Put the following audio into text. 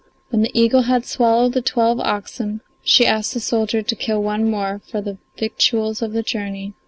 When the eagle had swallowed the twelve oxen she asked the soldier to kill one more for victuals on the journey.